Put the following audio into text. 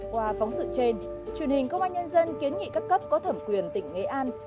qua phóng sự trên truyền hình công an nhân dân kiến nghị các cấp có thẩm quyền tỉnh nghệ an